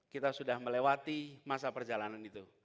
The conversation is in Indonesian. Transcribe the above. kita sudah melewati masa perjalanan itu